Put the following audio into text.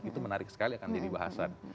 itu menarik sekali akan jadi bahasan